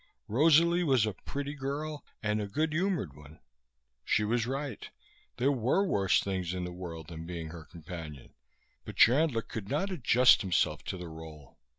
Rosalie was a pretty girl, and a good humored one. She was right. There were worse things in the world than being her companion; but Chandler could not adjust himself to the role.